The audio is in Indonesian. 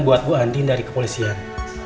buat bu andin dari kepolisian